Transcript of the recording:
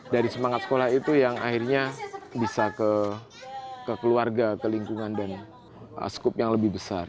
dari semangat sekolah itu yang akhirnya bisa ke keluarga ke lingkungan dan skup yang lebih besar